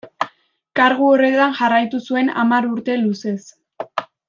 Kargu horretan jarraitu zuen hamar urte luzez.